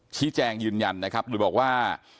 ชี้แจงยืนยันนะครับโดยบอกว่า